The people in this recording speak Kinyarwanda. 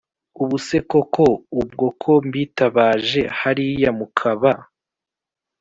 ubu se koko ubwo ko mbitabaje hariya mukaba